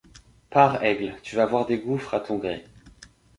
Pars, aigle, tu vas voir des gouffres à ton gré ;